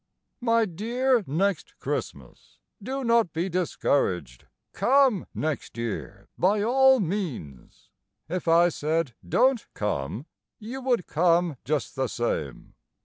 My dear Next Christmas, Do not be discouraged, Come next year by all means; If I said "Don't come" You would come just the same.